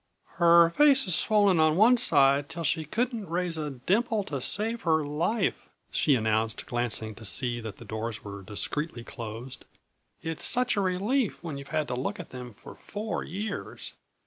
"Her face is swollen on one side till she couldn't raise a dimple to save her life," she announced, glancing to see that the doors were discreetly closed. "It's such a relief, when you've had to look at them for four years.